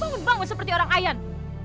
bangun bangun seperti orang ayan